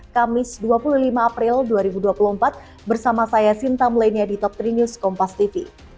kamis dua puluh lima april dua ribu dua puluh empat bersama saya sinta melenia di top tiga news kompas tv